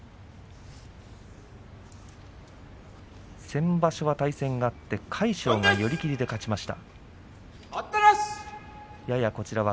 先場所、対戦があって魁勝が寄り切りで勝ちました。